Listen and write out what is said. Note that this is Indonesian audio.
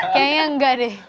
kayaknya enggak deh